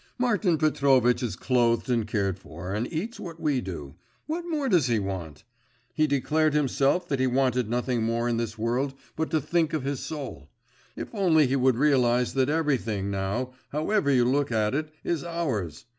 'Martin Petrovitch is clothed and cared for, and eats what we do. What more does he want? He declared himself that he wanted nothing more in this world but to think of his soul. If only he would realise that everything now, however you look at it, is ours.